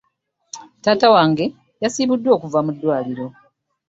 Taata wange yasiibuddwa okuva mu ddwaliro .